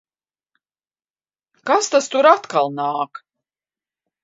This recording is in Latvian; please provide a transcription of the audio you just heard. Kas tas tur atkal nāk?